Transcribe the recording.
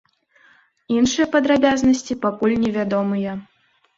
Іншыя падрабязнасці пакуль невядомыя.